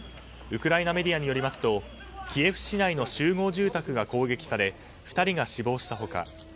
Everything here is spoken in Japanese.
ウクライナメディアによりますとキエフ市内の集合住宅が攻撃され２人が死亡した他